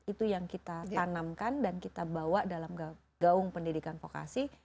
itu yang kita tanamkan dan kita bawa dalam gaung pendidikan vokasi